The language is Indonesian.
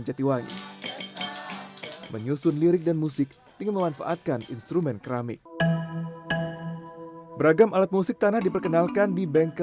pabrik genting rumahan berkembang